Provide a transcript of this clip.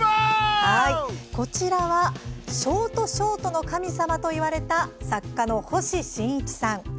こちらはショートショートの神様と言われた作家の星新一さん。